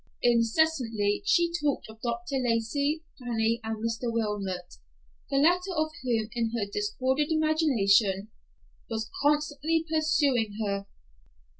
Incessantly she talked of Dr. Lacey, Fanny and Mr. Wilmot, the latter of whom, in her disordered imagination, was constantly pursuing her.